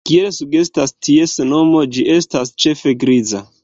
Kiel sugestas ties nomo, ĝi estas ĉefe griza.